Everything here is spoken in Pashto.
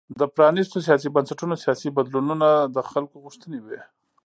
د پرانیستو سیاسي بنسټونو سیاسي بدلونونه د خلکو غوښتنې وې.